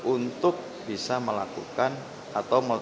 untuk bisa melakukan atau